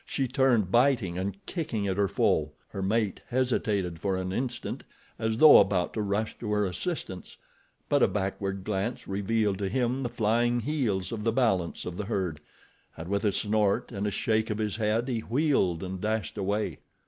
She turned, biting and kicking at her foe. Her mate hesitated for an instant, as though about to rush to her assistance; but a backward glance revealed to him the flying heels of the balance of the herd, and with a snort and a shake of his head he wheeled and dashed away.